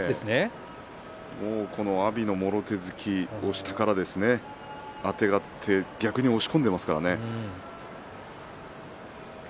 阿炎のもろ手突きを下からあてがって逆に押し込んでますからね。